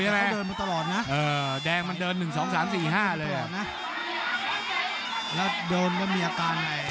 แต่เขาเดินมาตลอดนะ